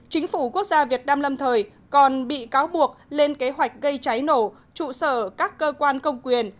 chính phủ quốc gia việt nam lâm thời còn bị cáo buộc lên kế hoạch gây cháy nổ trụ sở các cơ quan công quyền